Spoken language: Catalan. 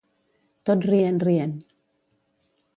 Tot rient, rient.